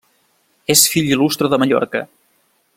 És fill il·lustre de Mallorca.